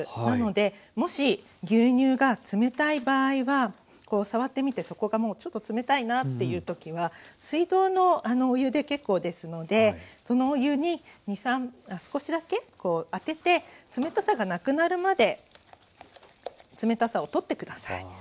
なのでもし牛乳が冷たい場合はこう触ってみて底がもうちょっと冷たいなっていう時は水道のお湯で結構ですのでそのお湯に少しだけ当てて冷たさがなくなるまで冷たさを取って下さい。